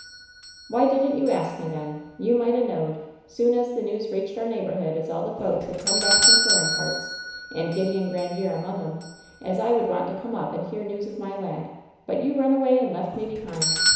"Why didn't you ask me, then ? You might a knowed, soon as the news reached our neighborhood as all the folks had come back from furrin parts, and Gideon Grandiere among 'em, as I would want to come up and hear news of my lad. But you run away and left me behind.